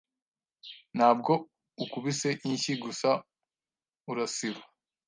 Ntabwo ukubise inshyi gusa urasiba